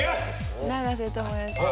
「長瀬智也さん。